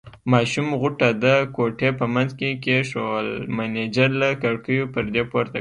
ماشوم غوټه د کوټې په منځ کې کېښوول، مېنېجر له کړکیو پردې پورته کړې.